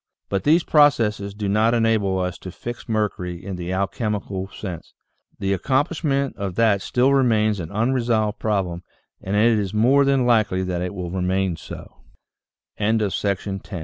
But these processes do not enable us to fix mercury in the alchemical sense ; the accomplishment of that still remains an unsolved problem, and it is more than likely that it will remain so, VII THE UNIVERSAL M